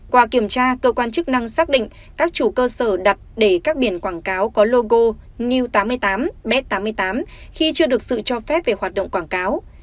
qua kiểm tra cơ quan chức năng xác định các chủ cơ sở đặt để các biển quảng cáo có logo new tám mươi tám b tám mươi tám khi chưa được sự cho phép về hoạt động quảng cáo